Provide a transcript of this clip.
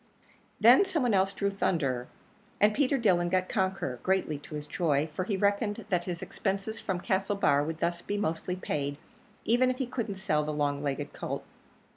Then some one else drew Thunderer; and Peter Dillon got Conqueror, greatly to his joy, for he reckoned that his expenses from Castlebar would thus be mostly paid, even if he couldn't sell the long legged colt.